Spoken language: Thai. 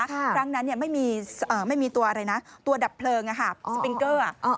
ครั้งนั้นไม่มีตัวอะไรนะตัวดับเพลิงสปิงเกอร์